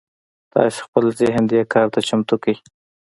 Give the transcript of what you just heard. تاسې خپل ذهن دې کار ته چمتو کړئ.